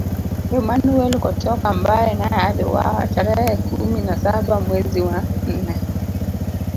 Emmanuel Kotoka ambaye naye aliuawa tarehe kumi na saba mwezi wa nne